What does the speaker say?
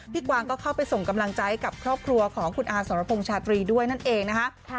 กวางก็เข้าไปส่งกำลังใจกับครอบครัวของคุณอาสรพงษ์ชาตรีด้วยนั่นเองนะคะ